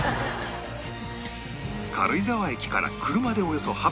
軽井沢駅から車でおよそ８分